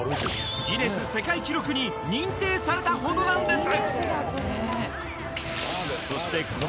ギネス世界記録に認定されたほどなんです！